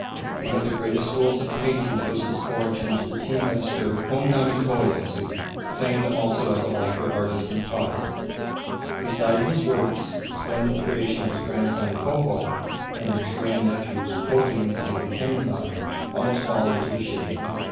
One of the greatest schools of painting owes its origin to the tea master Honnami Koyetsu, famed also as a lacquer artist and potter. Beside his works, the splendid creation of his grandson, Koho, and of his grand nephews, Korin and Kenzan, almost fall into the shade.